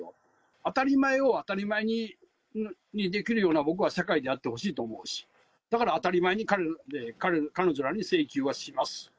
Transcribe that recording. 当たり前を当たり前にできるような、僕は社会であってほしいと思うし、だから当たり前に彼ら、彼女らに請求はします。